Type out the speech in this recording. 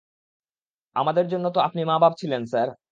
আমাদের জন্য তো আপনি মা-বাপ ছিলেন, স্যার।